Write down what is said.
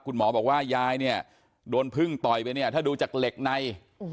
คุณหมอบอกว่ายายเนี่ยโดนพึ่งต่อยไปเนี่ยถ้าดูจากเหล็กใน